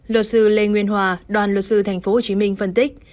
luật sư lê nguyên hòa đoàn luật sư tp hcm phân tích